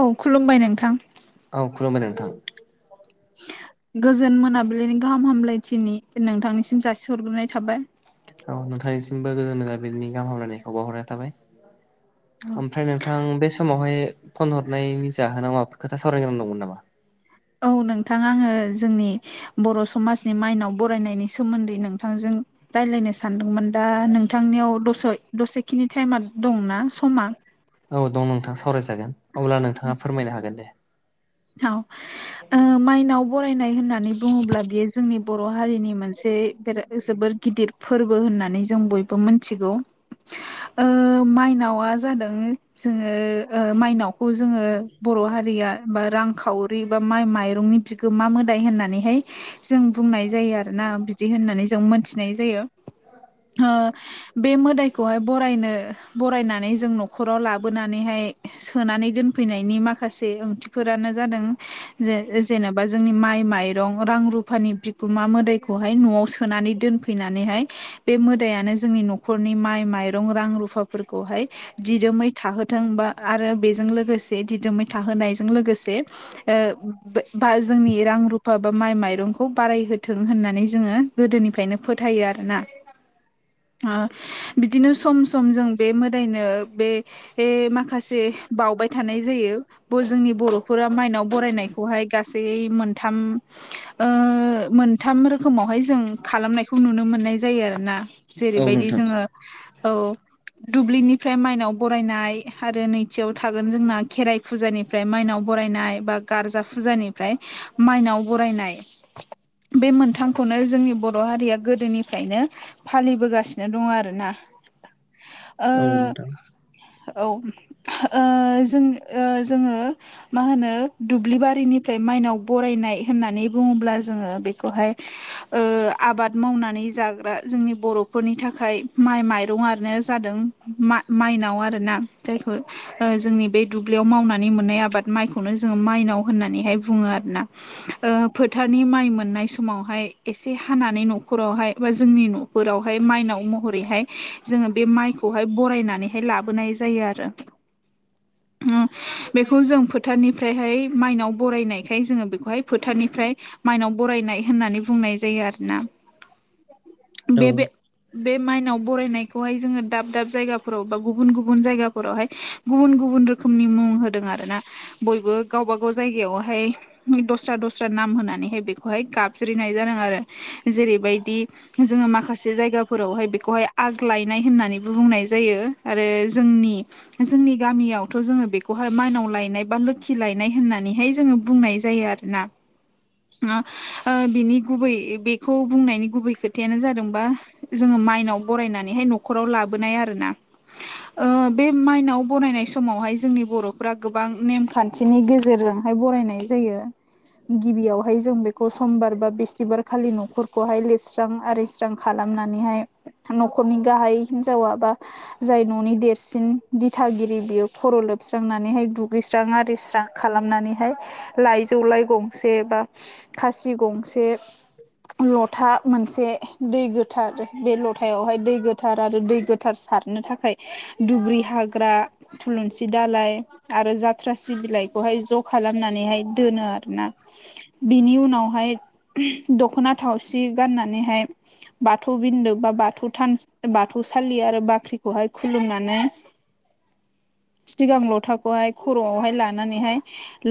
औ खुलुमबाय नोंथां औ खुलुमबाय नोंथां गोजोन मोनाबिलिनि गाहाम हामलायथिनि नोंथांनिसिम जासिहरग्रोनाय थाबाय औ नोंथांनिसिमबो गोजान मोजां बिनि गाहाम हामलायनायखौ बावहरनाय थाबाय ओमफ्राय नों नोंथां बे समावहाय फन हरनायनि जाहोना माबाफोर खोथा सावरायनोग्रां दंमोन नामा औ नोंथाङा आङो जोंनि बर' समाजनि माइनाव बरायनायनि सोमोन्दै नोंथांजों राय्लायनो सानदोंमोन दा नोंथांनियाव दसे दसेखिनि टाइमा दंना समा औ दं नोंथां सावरायजागोन अब्ला नोंथाङा फोरमायनो हागोन दे औ माइनाव बरायनाय होननानै बुङोब्ला बेयो जोंनि बर' हारिनि मोनसे बेराद जोबोर गिदिर फोरबो होननानै जों बयबो मोनथिगौ माइनावा जादों जोङो माइनावखौ जोङो बर' हारिया बा रांखावरि बा माइ माइरंनि बिगोमा मोदाय होननानैहाय जों बुंनाय जायो आरोना बिदि होननानै जों मोनथिनाय जायो बे मोदायखौहाय बरायनो बरायनानै जों न'खराव लाबोनानैहाय सोनानै दोनफैनायनि माखासे ओंथि फोरानो जादों जेनेबा जोंनि माइ माइरं रां रुफानि गुमा मोदैखौहाय न'आव सोनानै दोनफैनानैहाय बे मोदायानो जोंनि नर न'खरनि माइ माइरं रां रुफाफोरखौहाय दिदोमै थाहोथों बा आरो बेजों लोगोसे दिदोमै थाहोनायजों लो गोसे बा जोंनि रां रु बहाबा माइ माइरंखौ बारायहोथों होननानै जोङो गोदोनिफ्रायनो फोथायो आरो ना बिदिनो सम सम जों बे मोदायनो बे बे माखासे बावबाय थानाय जायो ब जोंनि बर' फोरा माइनाव बरायनायखौहाय गासै मोनथाम ओ मोनथाम रोखोमावहाय जों खालामनायखौ नुनो मोननाय जायो आरो ना औ जेरैबायदि नोंथां जोङो औ दुब्लिनिफ्राय माइनाव बरायनाय आरो नैथियाव थागोन जोंना खेराइ फुजानिफ्राय माइनाव बरायनाय बा गार्जा फुजानिफ्राय माइनाव बरायनाय बे मोनथामखौनो जोंनि बर' हारिया गोदोनिफ्रायनो फालिबोगासिनो दङ आरोना औ ओ नोंथां औ ओ जों जोङो मा होनो दुब्लि बारिनिफ्राय माइनाव बरायनाय होननानै बुङोब्ला जोङो बेखौहाय ओ आबाद मावनानै जाग्रा जोंनि बर'फोरनि थाखाय माइ माइरंआनो जादों माइनाव आरो ना जायखौ जोंनि बे दुब्लियाव मावनानै मोननाय आबाद माइखौनो जोङो माइनाव होननानैहाय बुङो आरो ना ओ फोथारनि माइ मोननाय समावहाय एसे हानानै न'खरावहाय बा जोंनि न फोरावहाय माइनाव महरैहाय जोङो बे माइखौहाय बरायनानैहाय लाबोनाय जायो आरो बेखौ जों फोथारनिफ्रायहाय माइनाव बरायनायखाय जोङो बेखौहाय फोथारनिफ्राय माइनाव बरायनाय होननानै बुंनाय जायो आरोना औ बे बे माइनाव बरायनायखौहाय जोङो दाब दाब जायगाफोराव बा गुबुन गुबुन जायगाफोरावहाय गुबुन गुबुन गुबुन रोखोमनि मुं होदों आरोना बयबो गावबा गाव जायगायावहाय दस्रा दस्रा नाम होनानैहाय बेखौहाय गाबज्रिनाय जादों आरो जेरैबायदि जोङो माखासे जायगाफोरावहाय बेखौहाय आग लायनाय होननानैबो बुंनाय जायो आरो जोंनि जोंनि गामियाव थ' जोङो बेखौहाय माइनाव लायनाय बा लोखि लायनाय होननानैहाय जोङो बुंनाय जायो आरो ना ओ बिनि गुबै बेखौ बुंनायनि गुबै खोथायानो जादोंबा जोङो माइनाव बरायनानैहाय न'खराव लाबोनाय आरो ना ओ बे माइनाव बरायनाय समावहाय जोंनि बर'फ गोबां नेमखान्थिनि गेजेरजोंहाय बरायनाय जायो गिबियावहाय जों बेखौ समबार बा बिस्थिबार खालि न'खरखौहाय लिरस्रां आरिस्रां खालामनानैहाय न'खरनि गाहाय हिनजाव बा जाय न'नि देरसिन दिथागिरि बेयो खर' लोबस्रांनानैहाय दुगैस्रां आरिस्रां खालामनानैहाय लाइजौ लाय गंसे बा खासि गंसे लथा मोनसे दै गोथार बे लथायावहाय दै गोथार आरो दै गोथार सारनो थाखाय दुब्रि हाग्रा थुलुंसि दालाय आरो जाथ्रासि बिलाइखौहाय ज' खालामनानैहाय दोनो आरोना बिनि उनावहाय दख'ना थावसि गाननानैहाय बाथौ बिन्दो बा बाथौ थान बाथौसालि आरो बाख्रिखौहाय खुलुमनानै सिगां लथाखौहाय खर'आवहाय लानानैहाय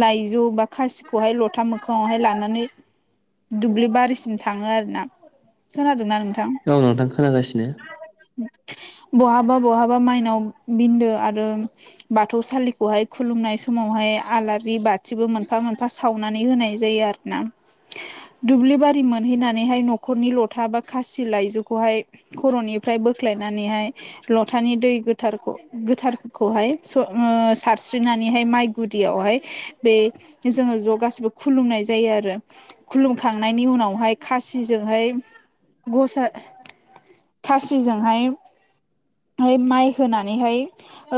लाइजौ बा खासिखौहाय लथा मोखाङावहाय लानानै दुब्लि बारिसिम थाङो आरो ना खोनादोंना नोंथां औ नोंथां खोनागासिनो बहाबा बहाबा माइनाव बिन्दो आरो बाथौ सालिखौहाय खुलुमनाय समावहाय आलारि बाथिबो मोनफा मोनफा सावनानै होनाय जायो आरोना [inaudible] दुब्लि बारि मोनहैनानैहाय न'खरनि लथा बा खासि लाइजौखौहाय खर'निफ्राय बोख्लायनानैहाय लथानि दै गोथारखौ गोथार खौहाय सारस्रिनानैहाय माइ गुदियावहाय बे जोङो ज' गाैबो खुलुमनाय जायो आरो खुलुमखांनायनि उनावहाय खासिजोंहाय गसा खासिजोंहाय माइ होनानैहाय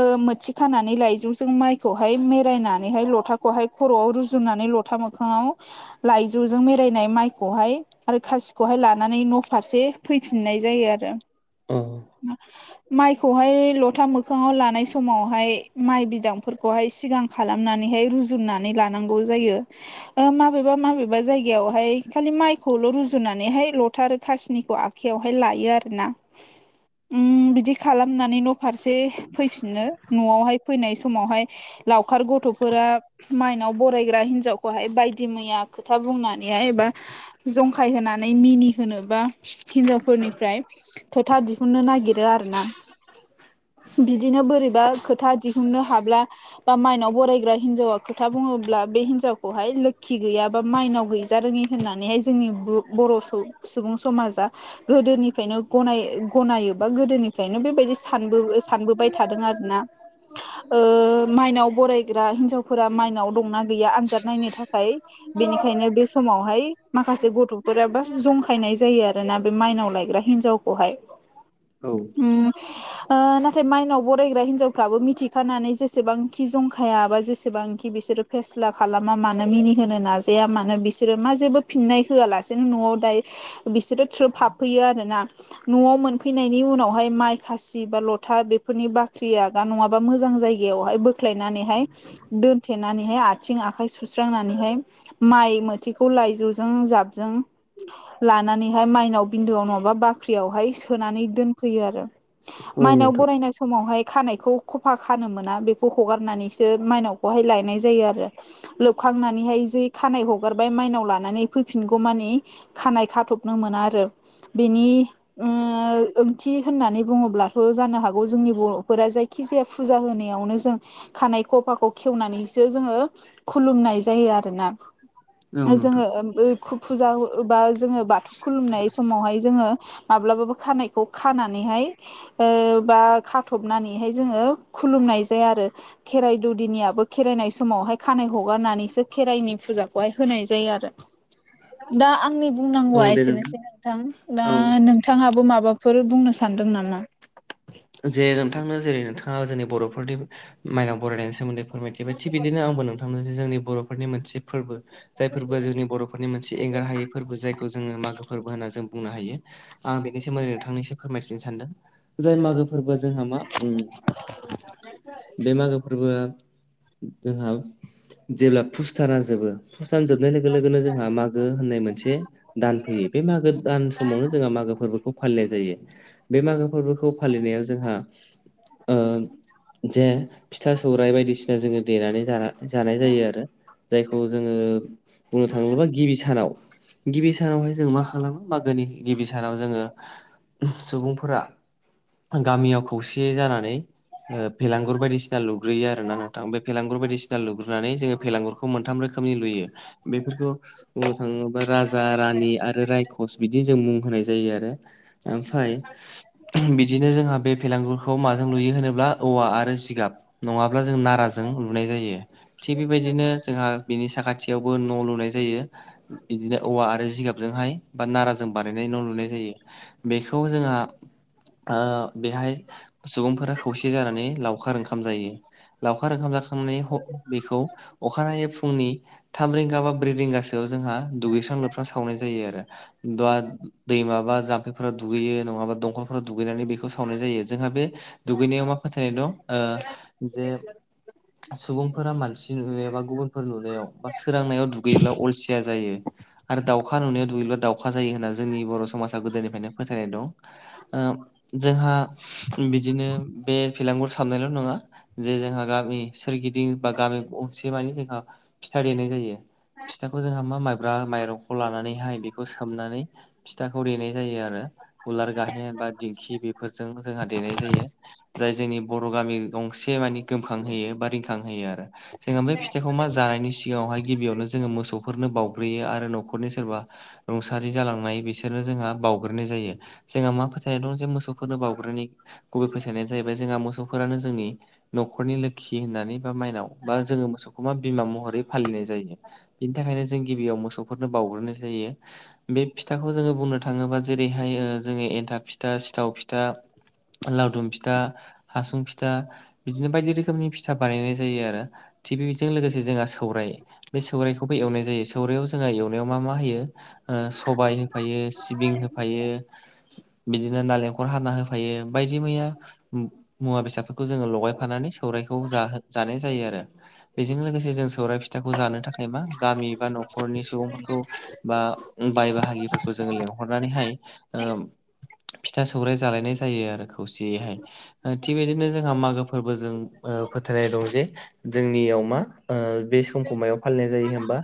ओ मोथि खानानै लाइजौ जों माइखौहाय मिरायनानैहाय लथाखौहाय खर'आव रुजुनानै ल सथा मोखाङाव लाइजौजों मिरायनाय माइखौहाय आरो खासिखौहाय लानानै न' फारसे फैफिननाय जायो आरो अ माइखौहाय लथा मोखाङाव लानाय समावहाय माइ बिदांफोरखौहाय सिगां खालामनानैहाय रुजुननानै लानांगौ जायो। ओ माबेबा माबेबा जायगायावहाय खालि माइखौल' रुजुनानैहाय ल'थाआरो खाासनिखौ आख हाय लायो आरोना बिदि खालामनानै न' फारसे फै फिनो न'आवहाय फैनाय समावहाय लावखार गथ'फोरा माइनाव बरायग्रा हिनजावखौहाय बायदि मैया खोथा बुंनानैहाय एबा जंखाय होनानै मिनि होनो बा हिनजावफोरनिफ्राय खोथा दिहुननो नागिरो आरो ना। दिनो बोरैबा खोथा दिहुननो हाब्ला बा माइनाव बरायग्रा हिन्जावा खोथा बुङोब्ला। बे हिनजावखौहाय लोखि गैया बा माइनाव गैजा रोङि होननानैहाय जोंनि ब-बर' सुबुं समाजा गोदोनिफ्रायनो गनाय गनायोबा गोदोनिफ्रायनो बेबायदि सानबो सानबोबाय थादों आरोना। ओ माइनाव बरायग्रा हिन्जावफोरा माइनाव दंना गैया आनजाद नायनो थाखाय। बेनिखायनो बे समावहाय माखासे गथ'फोराबा जंखायनाय जायो आरोना। बे माइनाव लायग्रा हिन्जावखौहाय। औ उम ओ नाथाय माइनाव बरायग्रा हिनजावफ्राबो मिथिखानानै जेसेबांखि जंखाया बा जेसेबांखि बिसोरो फेस्ला खालामा मानो मिनिहोनो नाजाया मानो बिस सोरो मा जेबो फिननाय होआलासेनो न'आव दायो बिसोरो थ्रोब हाबफैयो आरो ना। न'आव मोनफैनायनि उनावहाय माइ खासि बा ल'था बेफोरनि बाख्रिआगा नङाबा मोजां जायगायावहाय बोख्लायनानैहाय। दोनथेनानैहाय आथिं आखाइ सुस्रांनानैहाय माइ मोथिखौ लाइजौजों जाब जों लानानैहाय बा मायनाव बिन्दो आवहाय सो होनानै दोनफैयो आरो। मनाव नोंथां बरायना स समावहाय खानायखौ खफा खानो मोना, बेखौ हगारनानैसो माइनावखौहाय लायनाय जायो आरो। लोबखांनानैहाय जे खानाय हगारबाय माइनाव लानानै फैफिनगौ मानि खानाय खाथबनो मोना आरो। बेनि ओ ओंथि होननानै बुङोब्लाथ' जानो हागौ जोंनि बर'फोरा जायखि जाया फुजा होनायावनो जों खानाय खफाखौ खेवनानैसो जोङो। खुलुमनाय जायो आरोना। औ नोंथां जोङो ओ बो खु फुजा ओ बा जोङो बाथौ खुलुमनाय समावहाय जोङो माब्लाबाबो खानायखौ खानानैहाय ओ बा खा थबनानैहाय जोङो खुलुमनाय जाया आरो। खेराइ दौदिनियाबो खेराइनाय समावहाय खानाय हगारनानैसो खेराइनि फुजाखौहाय होनाय जायो आरो। [inaudible] दा आंनि औ बुंनांगौआ दे एसेनोसै नोंथां दा औ नोंथाङाबो माबाफोर बुंनो सानदों नामा? जे नोंथांनो जेरै नोंथाङा जोंनि बर'फोरनि माइनाव बरायनायनि सोमोन्दै फोरमायथिबाय थिग बिदिनो आंबो नोंथांमोन जे जोंनि बर'फोरनि मोनसे फोरबो जाय फोरबोआ जोंनि बर'फोरनि मोनसे एंगार हायै फोरबो। जायखौ जोङो माग फोरबो होनना जों बुंनो हायो। आ बेनि सोमोन्दै नोंथांनि फोरमायथिनो सानदों। जाय मागो फोरबो जोंहा मा उम बे मागो फोरबोआ जोंहा जेब्ला फुस्थारा जोबो। फुस्थान जोबनाय लोगो लोगोनो जोंहा मागो होननाय मोनसे दान फैयो। बे मागो दान समावनो जोंहा मागो फोरबोखौ फालिनाय जायो। बे मागो फोरबोखौ फालिनायाव जोंहा ओ जे फिथा सौरायाइ बायदिसिना जोङो देनानै जा [inaudible] गिबि सानावहाय जों मा खालामो मागोनि गिबि सानाव जोङो सुबुंफोरा गामियाव खौसे जानानै फेलांगुर बायदिसिना लुग्रोयो आरोना नोंथां। फुनानै जोङो फेलांगुरखौ मोनथाम रोखोमनि लुयो बेफोरखौ बुंनो थाङोब्ला राजा रानि आरो रायखस बिदि जों मुं होनाय जायो आरो। ओमफाय बिद नो जोंहा बे फेलांगुरखौ माजों लुयो होनोब्ला औवा आरो जिगाब। नङाब्ला जों नाराजों लुनाय जायो। थिग बेबायदिनो जोंहा बिनि साखाथियावबो न' लुनाय जायो। बिदिनो औवा आरो जिगाब जोंहाय बा नाराजों बानायनाय न' नुनाय जायो बेखौ जोंहा ओ बेहाय सुबुंफोरा खौसे जानानै लावखार ओंखाम जायो। लावखार ओखाम जाखांनाय बेखौ अखानायै फुंनि थाम रिंगा बा ब्रै रिंगासोआव जोंहा दुगैस्रां लोबस्रां सावनाय जायो आरो दा दै माबा जाम्फैफोरा दुगैयो नङाबा दंखाल दुगैनानै बेखौ सावनाय जायो। जोंहा बे दुगैनायाव मा फोथायनाय दं जे सुबुंफोरा मानसि नुयोबा गुबुनफोर नुयो। बा सोरांनायाव दुगैयोब्ला अलसिया जायो आरो दाउखा नुनायाव दुगैयोब्ला दा अखा जायो होनना जोंनि बर' समाजा गोदोनिफ्रायनो फोथायनाय दं। ओ जोंहा बिदिनो बे फेलांगुर सारनायल' नङा जे जोंहा गामि सोरगिदिं बा गामि गंसे माने जोंहा फिथाइ देनाय जायो। फिथाखौ जोंहा मा माइब्रा माइरंखौ लानानैहाय बेखौ सोमनानै फिथाखौ देनाय जायो आरो उलार गाहेन बा दिंखि बेफोरजों जोंहा देनाय जायो। जाय जोंनि बर' गामि गंसे मानि गोमखांहोयो बा रिंखांहोयो आरो जोङा बे फिथाइखौ मा जानायनि सिगाङावहाय गिबियावनो जोङो मोसौफोरनो बाउग्रोयो आरो न'खरनि सोरबा रुंसारि जालांनाय बिसोरनो जोंहा बावग्रोनाय जायो। जोंहा मा फोथाय फोथानाय दं जे मोसौफोरनो बावग्रानि गुबै फोसायनायानो जाहैबाय जोंहा मोसौफोरानो जोंनि न'खरनि लोखि होननानै बा माइनाव बा जोङो मोसौखौ मा बिमा महरै फालिनाय जायो। बिनि थाखायनो जों गिबियाव मोसौफोरनो बाग्रोनाय जायो। बे फिथाखौ जोङो बुंनो थाङोबा जेरैहाय जोङो एन्थाब फिथा सिथाव फिथा। लावदुम फिथा, हासुं फिथा बिदिनो बायदि रोखोमनि फिथा बानायनाय जायो आरो थिग बे बेजों लोगोसे जोंहा सौराय बे सौरायाइखौबो एवनाय जायो सौराइआव जोंहा एवनायाव मा मा होयो। ओ सबाय होफायो सिबिं होफायो। बिदिनो नारेंखर हाना होफायो बायदि मैया मुवा बेसादफोरखौ जोङो लगायफानानै सौराइखौ जो जानाय जायो आरो बेजों लोगोसे जों सौर फिथाखौ जानो थाखाय मा गामि बा न'खरनि सुबुंफोरखौ बा बाय बाहागिफोरखौ जोङो लिंहरनानैहाय ओ फिथा सौराइ जालायनाय जायो आरो खौसेयैहाय थिग बिदिनो जोंहा मागो फोरबोजों फोथायनाय दं जे जोंनियाव मा ओ बे समखमायाव फालिनाय जायो होनबा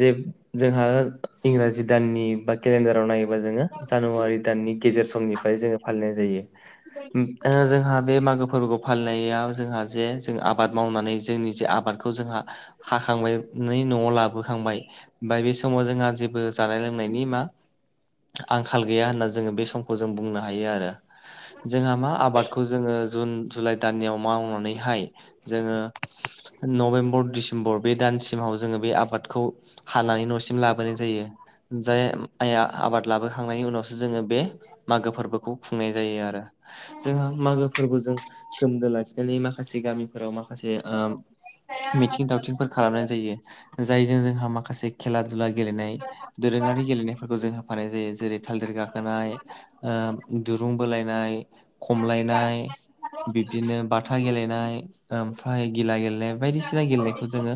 जे जोंहा इंराजि दाननि बा केलेन्डाराव नायोबा जोङो जानुवारि दाननि गेजेर समनिफ्राय जोङो फालिनाय जायो। जोंहा बे मागो फोरबोखौ फालिनायाव जोंहा जे जों आबाद मावनानै जोंनि जे आबाद खौ जोंहा हाखांबाय नै न'आव लाबोखांबाय ओमफाय बे समाव जोंहा जेबो जानाय लोंनायनि मा आंखाल गैया होनना जोङो बे सम खौ जों बुंनो हायो आरो। जोंहा मा आबादखौ जोङो जुन जुलाइ दाननियाव मावनानैहाय जोङो। नभेम्बर डिसेम्बर बे दानसिमाव जोङो बे आबादखौ हानानै न'सिम लाबोनाय जायो। जाय आइया आबाद लाबोखांनायनि उनावसो जोङो बे मागो फोरबोखौ खुंनाय जायो आरो। जोंहा मागो फोरबोजों सोमोन्दो लाखिनानै माखासे गामिफोराव माखासे ओम मिथिं दावथिंफोर खालामनाय जायो। जायजों जोंहा माखासे खेला दुला गेलेनाय दोरोङारि गेलेनायफोरखौ जों होफानाय जायो जेरै थालदिर गाखोनाय ओ दुरुं बोलायनाय खमलायनाय बिब्दिनो बा था गेलेनाय ओमफ्राय गिला गेलेनाय बायदिसिना गेलेनायखौ जोङो।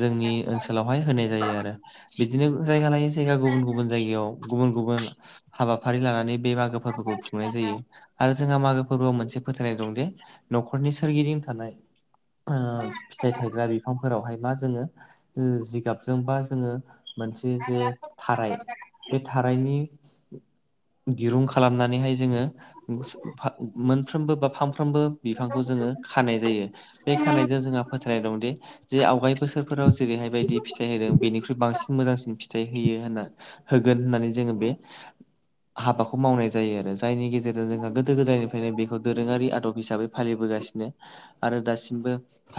जोंनि ओनसोलावहाय होनाय जायो आरो बिदिनो जायगा लायै जायगा गुबुन गुबुन जायगायाव गुबुन गुबुन हाबाफारि लानानै बे मागो फोरबोखौ खुंनाय जायो। आरो जोंहा मागो फोरबोआव मोनसे फोथायनाय दंदे न'खरनि सोरगिदिं थानाय ओ फिथाइ थायग्रा बिफांफोरावहाय मा जोङो ओ जिगाबजों बा जोङो मोनसे जे थाराय बे थारायनि दिरुं खालामनानैहाय जोङो [unintelligible] मोनफ्रोमबो बा फानफ्रोमबो बिफांखौ जोङो खानाय जायो। बे खानायजों जोंहा फोथायनाय दंदे जे आवगाय बोसोरफोराव जेरैहायबायदि फिथाइ होदों बेनिख्रुइ बांसिन मोजांसिन फिथाइ होयो होनना होगोन होननानै जोङो बे हाबाखौ मावनाय जायो आरो। जायनि गेजेरजों जोंहा गोदो गोदायनिफ्रायनो बेखौ दोरोङारि आदब हिसाबै फालिबोगासिनो। आरो दासिमबो हेल्प